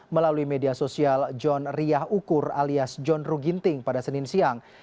melalui media sosial john riah ukur alias john ruginting pada senin siang